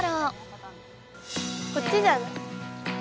こっちじゃない？